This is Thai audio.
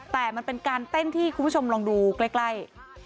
แต่มันเป็นการเต้นที่คุณผู้ชมลองดูใกล้